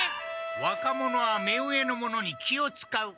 若者は目上の者に気をつかう。